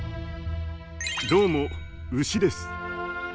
どうもウシです！